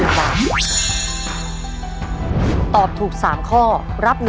สวัสดีครับ